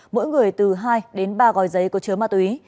mỗi người từ hai đến ba gói giấy có chứa ma túy